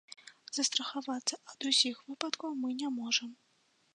Застрахавацца ад усіх выпадкаў мы не можам.